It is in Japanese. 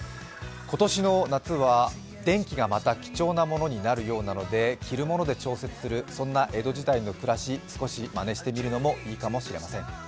今年の夏は、電気がまた貴重なものになるようなので、着るもので調節する、そんな江戸時代の暮らし少しまねしてみるのもいいかもしれません。